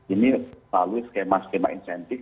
ini lalu skema skema insentif